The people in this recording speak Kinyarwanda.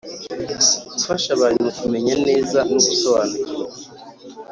Gufasha abantu kumenya neza no gusobanukirwa